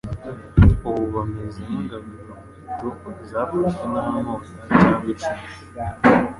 ubu bameze nk'ingaruzwamuheto zafashwe nta nkota cyangwa icumu.